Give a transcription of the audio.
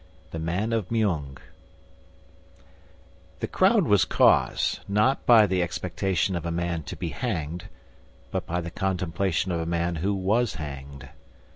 THE MAN OF MEUNG The crowd was caused, not by the expectation of a man to be hanged, but by the contemplation of a man who was hanged.